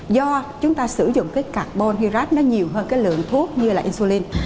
do chúng ta sử dụng cái carbon hydrate nó nhiều hơn cái lượng thuốc như là insulin